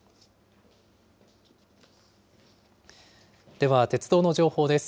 では鉄道の情報です。